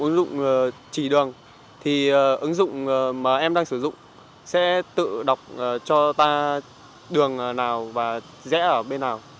ứng dụng chỉ đường thì ứng dụng mà em đang sử dụng sẽ tự đọc cho ta đường nào và rẽ ở bên nào